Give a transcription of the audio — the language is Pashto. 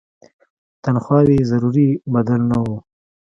تنخواوې یې ضروري بدل نه وو.